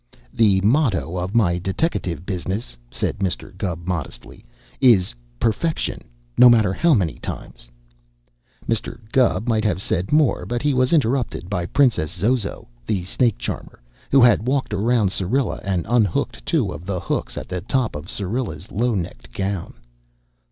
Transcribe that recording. "The motto of my deteckative business," said Mr. Gubb modestly, "is 'Perfection, no matter how many times.'" Mr. Gubb might have said more, but he was interrupted by Princess Zozo, the Snake Charmer, who had walked around Syrilla and unhooked two of the hooks at the top of Syrilla's low necked gown.